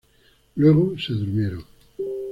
Luego se durmieron.